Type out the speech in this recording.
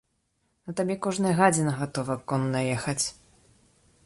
На табе кожная гадзіна гатова конна ехаць.